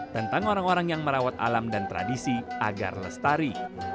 tentang orang orang yang merawat alam dan tradisi agar lestari